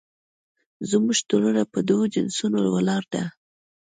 زموږ ټولنه په دوو جنسونو ولاړه ده